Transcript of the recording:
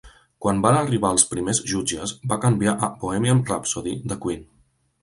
Quan va arribar als primers jutges, va canviar a "Bohemian Rhapsody" de Queen.